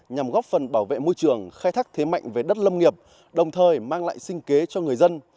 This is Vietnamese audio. nhằm góp phần bảo vệ môi trường khai thác thế mạnh về đất lâm nghiệp đồng thời mang lại sinh kế cho người dân